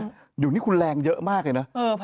อยู่อย่างนี้คุณแรงเยอะมากนึก